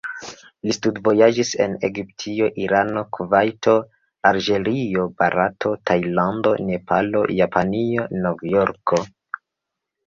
Li studvojaĝis en Egiptio, Irano, Kuvajto, Alĝerio, Barato, Tajlando, Nepalo, Japanio, Novjorko.